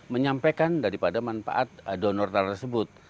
menyampaikan daripada manfaat donor tersebut